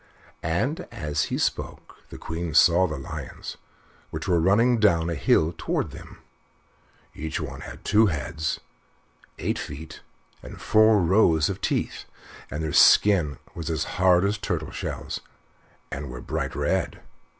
And, as he spoke, the Queen saw the lions, which were running down a hill toward them. Each one had two heads, eight feet, and four rows of teeth, and their skins were as hard as turtle shells, and were bright red.